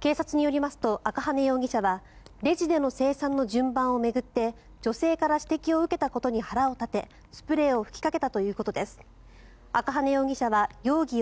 警察によりますと赤羽容疑者はレジでの精算の順番を巡って女性から指摘を受けたことに腹を立て亀山薫が殺人を犯して逃亡？